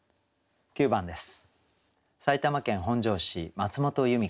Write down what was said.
９番です。